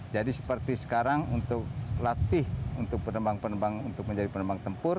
jadi seperti sekarang untuk latih untuk penerbang penerbang untuk menjadi penerbang tempur